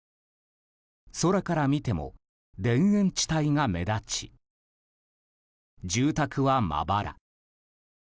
空から見ても、田園地帯が目立ち住宅はまばら。